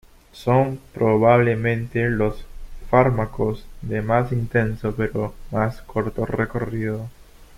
Son probablemente los fármacos de más intenso pero más corto recorrido.